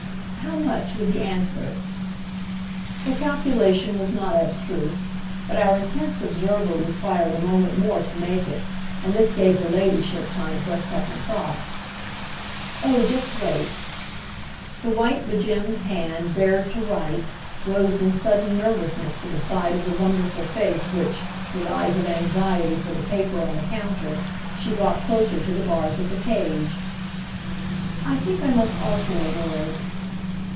"How much, with the answer?" The calculation was not abstruse, but our intense observer required a moment more to make it, and this gave her ladyship time for a second thought. "Oh just wait!" The white begemmed hand bared to write rose in sudden nervousness to the side of the wonderful face which, with eyes of anxiety for the paper on the counter, she brought closer to the bars of the cage. "I think I must alter a word!"